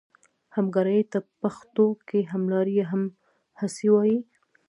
همګرایي ته پښتو کې هملاري یا همهڅي وايي.